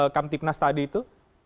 kamtipnas tadi itu